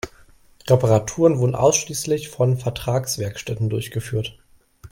Reparaturen wurden ausschließlich von Vertragswerkstätten durchgeführt.